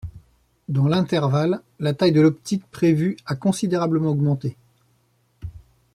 Dans l'intervalle, la taille de l'optique prévue a considérablement augmenté.